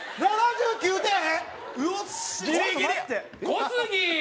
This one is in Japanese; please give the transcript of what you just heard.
小杉！